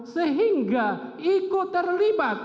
sehingga ikut terlibat